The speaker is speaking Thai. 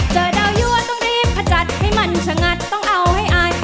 เจอดาวยั่วต้องรีบขจัดให้มันชะงัดต้องเอาให้อาย